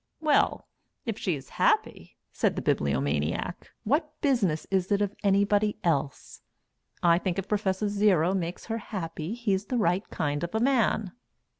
"Well if she is happy?" said the Bibliomaniac. "What business is it of anybody else? I think if Prof. Zero makes her happy he's the right kind of a man."